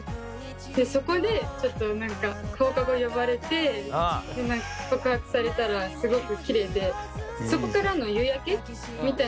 そこでちょっと何か放課後呼ばれて告白されたらすごくきれいでそこからの夕焼けみたいなのも。